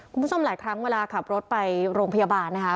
คุณผู้ชมหลายครั้งเวลาขับรถไปโรงพยาบาลนะคะ